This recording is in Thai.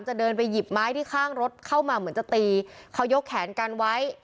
เดินไปหยิบไม้ที่ข้างรถเข้ามาเหมือนจะตีเขายกแขนกันไว้